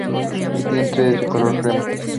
El vientre es de color crema.